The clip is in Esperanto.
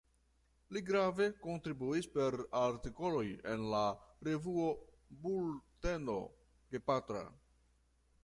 Li grave kontribuis per artikoloj en la revuo Bulteno Gepatra.